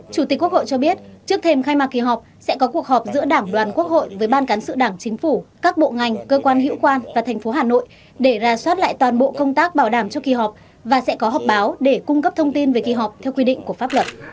chủ tịch quốc hội cho biết trước thêm khai mạc kỳ họp sẽ có cuộc họp giữa đảng đoàn quốc hội với ban cán sự đảng chính phủ các bộ ngành cơ quan hữu quan và thành phố hà nội để ra soát lại toàn bộ công tác bảo đảm cho kỳ họp và sẽ có họp báo để cung cấp thông tin về kỳ họp theo quy định của pháp luật